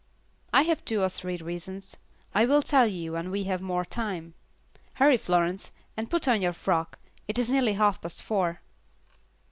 "I have two or three reasons. I will tell you when we have more time. Hurry, Florence, and put on your frock; it is nearly half past four."